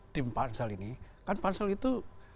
tim pansel ini kan pansel itu